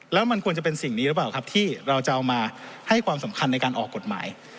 แล้วมันควรจะเป็นสิ่งนี้หรือเปล่าครับที่เราจะเอามาให้ความสำคัญในการออกกฎหมาย